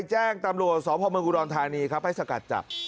แจ้งตำรวจสอบพระมงุดรทานีครับให้สกัดจับ